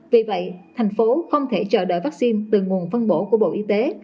vì vậy thành phố không thể chờ đợi vaccine từ nguồn phân bổ của bộ y tế